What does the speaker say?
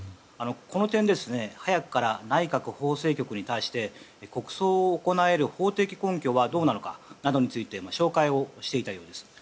この点、早くから内閣法制局に対して国葬を行える法的根拠はどうなのかなどについて照会をしていたようです。